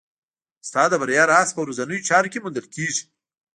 ستا د بریا راز په ورځنیو چارو کې موندل کېږي.